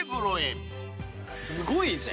すごいぜ。